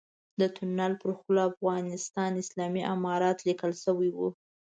د تونل پر خوله افغانستان اسلامي امارت ليکل شوی و.